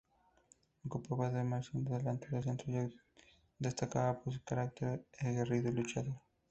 Ocupaba la demarcación de delantero centro y destacaba por su carácter aguerrido y luchador.